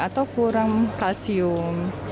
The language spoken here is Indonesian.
atau kurang kalsium